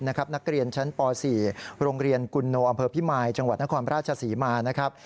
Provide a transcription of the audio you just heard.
นักเรียนชั้นป๔โรงเรียนกุลโนอำเภอพิมายจังหวัดนครราชศรีมานะครับ